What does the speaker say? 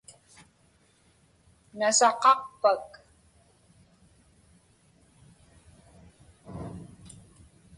Nasaqaqpak?